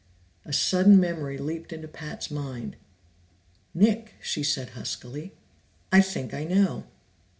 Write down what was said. A sudden memory leaped into Pat's mind. "Nick," she said huskily, "I think I know."